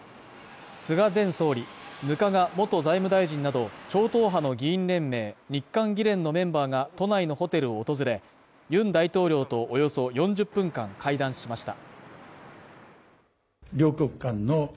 菅前総理、額賀元財務大臣など超党派の議員連盟日韓議連のメンバーが、都内のホテルを訪れ、ユン大統領とおよそ４０分間会談しました。